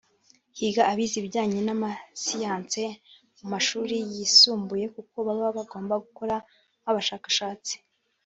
“Higa abize ibijyanye n’amasiyanse mu mashuri yisumbuye kuko baba bagomba gukora nk’ abashakashatsi